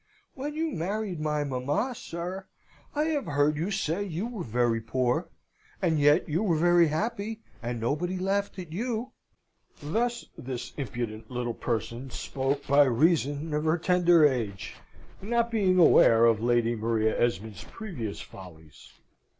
When you married my mamma, sir, I have heard you say you were very poor; and yet you were very happy, and nobody laughed at you!" Thus this impudent little person spoke by reason of her tender age, not being aware of Lady Maria Esmond's previous follies.